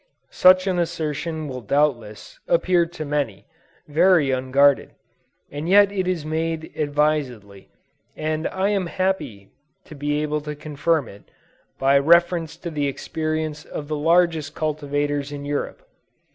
Such an assertion will doubtless, appear to many, very unguarded; and yet it is made advisedly, and I am happy to be able to confirm it, by reference to the experience of the largest cultivators in Europe.